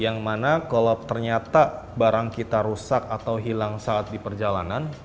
yang mana kalau ternyata barang kita rusak atau hilang saat di perjalanan